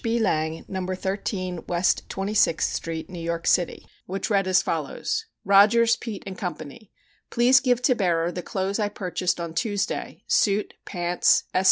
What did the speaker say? B. Lang, No. 13 West Twenty sixth Street, New York City, which read as follows: ROGERS, PEET & Co. Please give to bearer the clothes I purchased on Tuesday suit pants S.